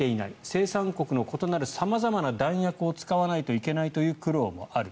生産国の異なる様々な弾薬を使わないといけないという苦労もある。